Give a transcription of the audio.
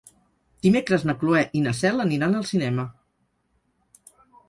Dimecres na Cloè i na Cel aniran al cinema.